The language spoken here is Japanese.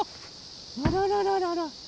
あららららら。